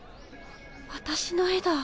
私の絵だ。